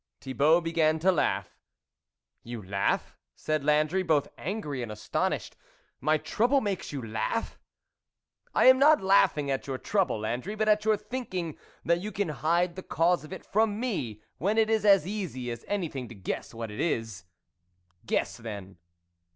Thibault began to laugh. " You laugh ?" said Landry, both angry and astonished, " my trouble makes you laugh ?"" I am not laughing at your trouble, Landry, but at your thinking that you can hide the cause of it from me, when it is as easy as anything to guess what it is." " Guess then."